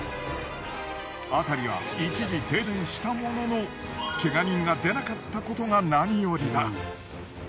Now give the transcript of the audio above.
辺りは一時停電したもののけが人が出なかったことが何よりだ。